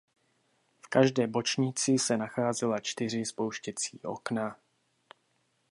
V každé bočnici se nacházela čtyři spouštěcí okna.